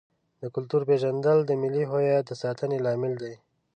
د کلتور پیژندل د ملي هویت د ساتنې لامل دی.